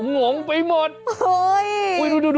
งงไปหมดเฮ้ย